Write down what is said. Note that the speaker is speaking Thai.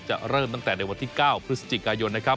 เริ่มตั้งแต่ในวันที่๙พฤศจิกายนนะครับ